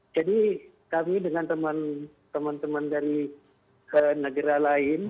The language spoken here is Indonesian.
jadi kami dengan teman teman dari negara lain